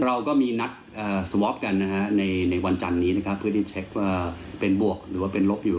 เราก็มีนัดสวอปกันในวันจันทร์นี้เพื่อที่เช็คว่าเป็นบวกหรือเป็นลบอยู่